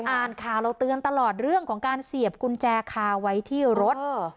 อ่านข่าวเราเตือนตลอดเรื่องของการเสียบกุญแจคาไว้ที่รถ